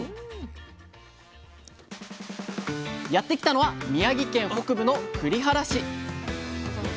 やって来たのは宮城県北部の栗原市。